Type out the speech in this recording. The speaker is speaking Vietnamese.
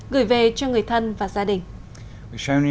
gửi về cho người thân và gia đình